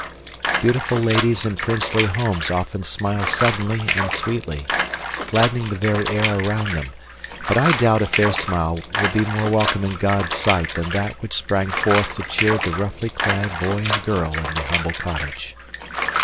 Beautiful ladies in princely homes often smile suddenly and sweetly, gladdening the very air around them, but I doubt if their smile be more welcome in God's sight than that which sprang forth to cheer the roughly clad boy and girl in the humble cottage.